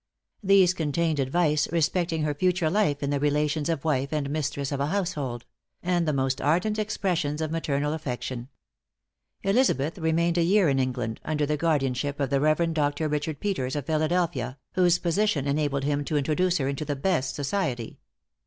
These contained advice respecting her future life in the relations of wife and mistress of a household; and the most ardent expressions of maternal affection. Elizabeth remained a year in England, under the guardianship of the Rev. Dr. Richard Peters, of Philadelphia, whose position enabled him to introduce her into the best society.